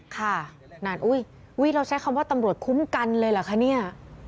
ค่ะนานอุ้ยเราใช้คำว่าตำรวจคุ้มกันเลยเหรอคะเนี่ย